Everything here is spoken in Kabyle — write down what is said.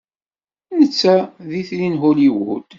Netta d itri n Hollywood.